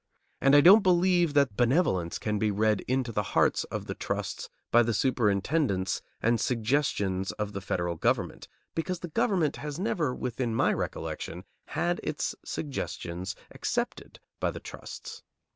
And I don't believe that benevolence can be read into the hearts of the trusts by the superintendence and suggestions of the federal government; because the government has never within my recollection had its suggestions accepted by the trusts.